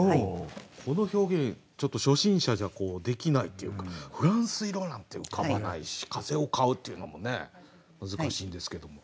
この表現ちょっと初心者じゃできないというか「仏蘭西いろ」なんて浮かばないし「風を飼ふ」っていうのもね難しいんですけども。